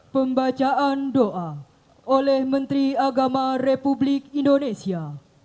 pembacaan doa oleh menteri agama republik indonesia